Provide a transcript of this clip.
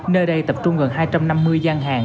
nơi đây tập trung gần hai trăm năm mươi gian hàng